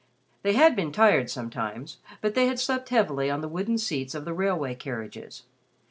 They had been tired sometimes, but they had slept heavily on the wooden seats of the railway carriages.